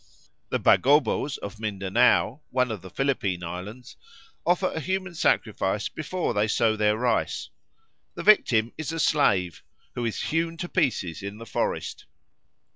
The Bagobos of Mindanao, one of the Philippine Islands, offer a human sacrifice before they sow their rice. The victim is a slave, who is hewn to pieces in the forest.